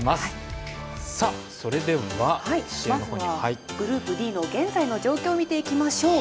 まずはグループＤの現在の状況を見ていきましょう。